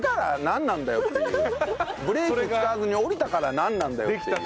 ブレーキ使わずに下りたからなんなんだよっていう。